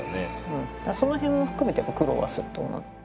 その辺も含めて苦労はすると思う。